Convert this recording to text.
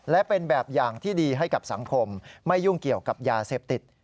และเป็นแบบอย่างที่ดีให้กับสังคมไม่ยุ่งเกี่ยวกับยาเสพติด